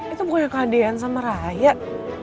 itu punya keadean sama rakyat